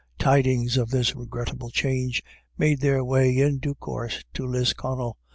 Tidings of this regrettable change made their way in due course to Lisconnel.